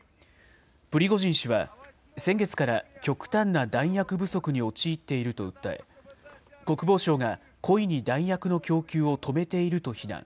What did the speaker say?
プリゴジン氏は先月から極端な弾薬不足に陥っていると訴え、国防省が故意に弾薬の供給を止めていると非難。